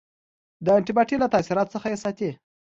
د انټي باډي له تاثیراتو څخه یې ساتي.